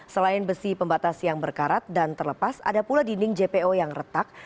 selain besi pembatas yang berkarat dan terlepas ada pula dinding jpo yang retak